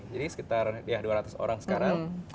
jadi sekitar dua ratus orang sekarang